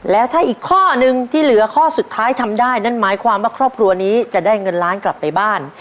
แล้วถ้าอีกข้อนึงที่เหลือข้อสุดท้ายทำได้นั่นหมายความว่าครอบครัวนี้จะได้เงินล้านกลับไปบ้าน